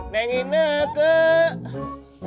neng ine kek